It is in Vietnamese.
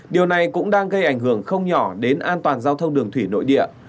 điều này cũng đang gây ảnh hưởng không nhỏ đến an toàn giao thông đường thủy nội địa